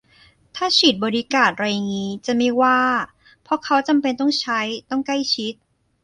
ถ้าฉีดบอดี้การ์ดไรงี้จะไม่ว่า เพราะเขาจำเป็นต้องใช้ ต้องใกล้ชิด